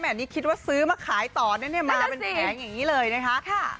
อันนี้คิดว่าซื้อมาขายต่อนะเนี่ยมาเป็นแผงอย่างนี้เลยนะคะ